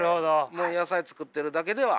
もう野菜作ってるだけでは。